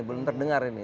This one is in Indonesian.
belum terdengar ini